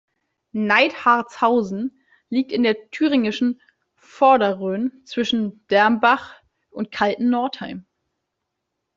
Neidhartshausen liegt in der thüringischen Vorderrhön zwischen Dermbach und Kaltennordheim.